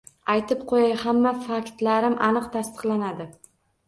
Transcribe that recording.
Aytib qo`yay, hamma faktlarim aniq tasdiqlanadi